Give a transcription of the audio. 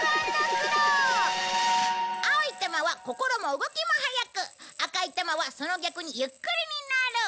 青い玉は心も動きもはやく赤い玉はその逆にゆっくりになる。